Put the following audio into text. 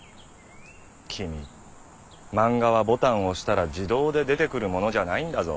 君漫画はボタンを押したら自動で出てくるものじゃないんだぞ。